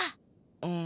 うん。